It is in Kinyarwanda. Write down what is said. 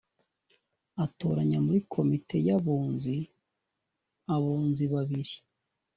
atoranya muri komite y abunzi abunzi babiri